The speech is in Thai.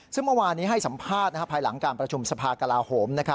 ซึ่งเมื่อวานนี้ให้สัมภาษณ์ภายหลังการประชุมสภากลาโหม